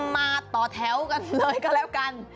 มาต่อแถวกันเลยก็แล้วกัน